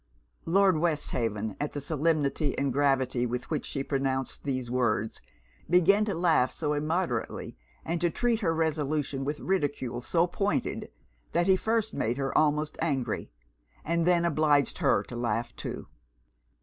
Lord Westhaven, at the solemnity and gravity with which she pronounced these words, began to laugh so immoderately, and to treat her resolution with ridicule so pointed, that he first made her almost angry, and then obliged her to laugh too.